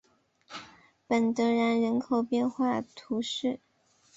本德然人口变化图示